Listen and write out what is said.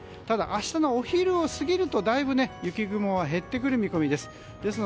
ただ明日のお昼を過ぎるとだいぶ雪雲は減ってくる見込みです。